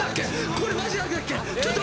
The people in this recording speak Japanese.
これマジ何だっけ